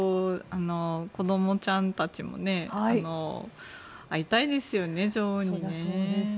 子供ちゃんたちも会いたいですよね、女王に。